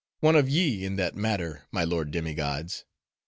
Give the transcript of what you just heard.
One of ye, in that matter, my lord demi gods.